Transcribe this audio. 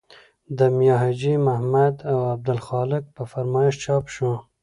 د میا حاجي محمد او عبدالخالق په فرمایش چاپ شو.